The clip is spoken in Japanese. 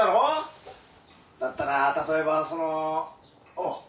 だったら例えばそのおお！